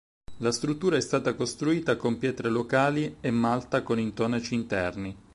La struttura è stata costruita con pietre locali e malta con intonaci interni.